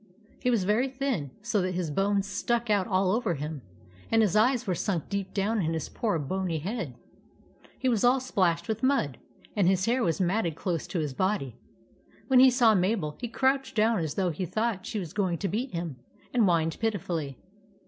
He was very thin, so that his bones stuck out all over him, and his eyes were sunk deep down in his poor bony head. He was all splashed with mud, and his hair was matted close to his body. When he saw Mabel, he crouched down as though he thought she was going to beat him, and whined pitifully.